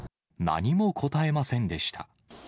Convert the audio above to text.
何も答えませんでした。